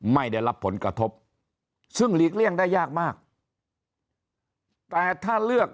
ไม่ได้รับผลกระทบซึ่งหลีกเลี่ยงได้ยากมากแต่ถ้าเลือก